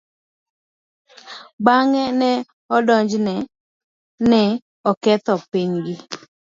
Bang'e, ne odonjne ni oketho pinygi.